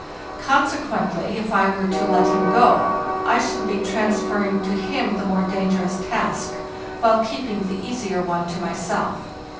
Consequently if I were to let him go, I should be transferring to him the more dangerous task, while keeping the easier one to myself.